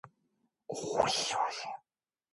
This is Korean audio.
단 네 마디가 세 사람을 울릴 만큼 감격이 있었다.